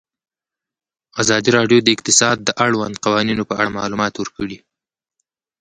ازادي راډیو د اقتصاد د اړونده قوانینو په اړه معلومات ورکړي.